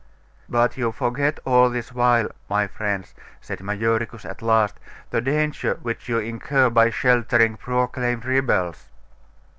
'But you forget all this while, my friends,' said Majoricus at last, 'the danger which you incur by sheltering proclaimed rebels.